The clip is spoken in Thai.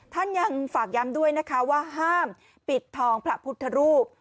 ท่านยังฝากย้ำด้วยนะคะว่าห้ามปิดทองพระพุทธรูป